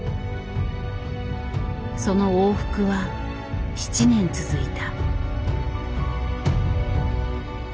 その往復は７年続いた。